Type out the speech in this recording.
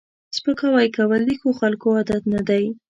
سپکاوی کول د ښو خلکو عادت نه دی